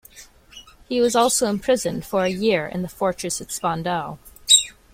He also was imprisoned for a year in the fortress at Spandau.